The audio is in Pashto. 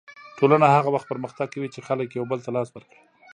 ټولنه هغه وخت پرمختګ کوي چې خلک یو بل ته لاس ورکړي.